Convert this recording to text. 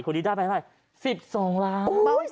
คนนี้ได้ไป๑๒ล้าน